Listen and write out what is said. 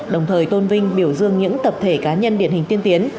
đồng thời tôn vinh biểu dương những tập thể cá nhân điển hình tiên tiến